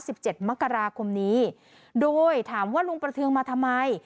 สิบเจ็ดมกราคมนี้โดยถามว่าลุงประเทืองมาทำไม